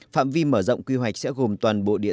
phạm vi mở rộng quy hoạch sẽ gồm toàn bộ địa